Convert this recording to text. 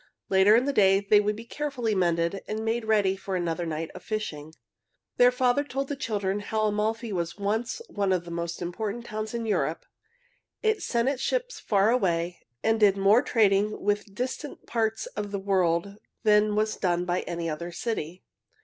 Later in the day they would be carefully mended and made ready for another night of fishing. Their father told the children how Amalfi was once one of the most important towns in Europe. It sent its ships far away, and did more trading with distant parts of the world than was done by any other city.